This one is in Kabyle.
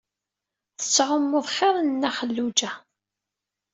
Tettɛumuḍ xir n Nna Xelluǧa.